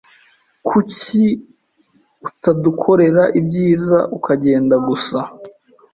Kuki utadukorera ibyiza ukagenda gusa?